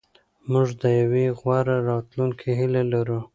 موږ د یوې غوره راتلونکې هیله لرو.